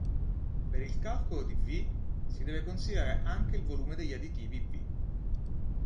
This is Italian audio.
Per il calcolo di V si deve considerare anche il volume degli additivi V